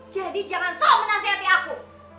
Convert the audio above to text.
jadi jangan sok menasihati aku